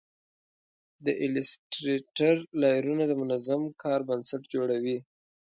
د ایلیسټریټر لایرونه د منظم کار بنسټ جوړوي.